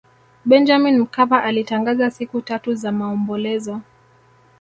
benjamin mkapa alitangaza siku tatu za maombolezo